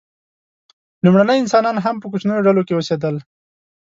لومړني انسانان هم په کوچنیو ډلو کې اوسېدل.